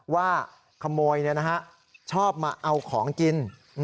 ว่าขโมยชอบมาเอาของกิน